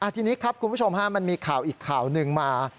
ทีนี้ครับคุณผู้ชมมันมีข่าวอีกข่าวหนึ่งมา